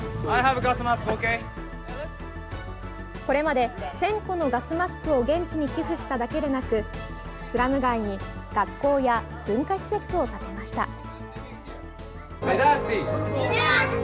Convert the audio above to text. これまで１０００個のガスマスクを現地に寄付しただけでなくスラム街に学校や文化施設を建てました。